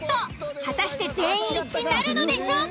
果たして全員一致なるのでしょうか！？